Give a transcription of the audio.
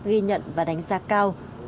ghi nhận và đánh giá cao